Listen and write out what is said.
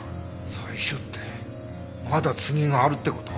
最初ってまだ次があるって事？